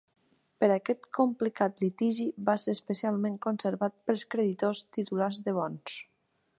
Per aquest complicat litigi va ser especialment conservat pels creditors titulars de bons.